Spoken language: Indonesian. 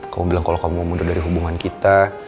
kamu bilang kalau kamu mau mundur dari hubungan kita